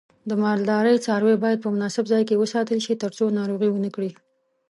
د مالدارۍ څاروی باید په مناسب ځای کې وساتل شي ترڅو ناروغي ونه کړي.